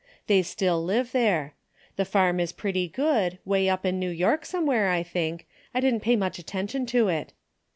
They still live there. The farm is pretty good, way up in New York somewhere I think, I didn't pay much attention to it.